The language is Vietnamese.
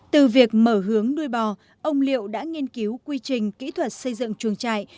từ việc mở hướng nuôi bò ông liệu đã nghiên cứu quy trình kỹ thuật xây dựng chuồng trại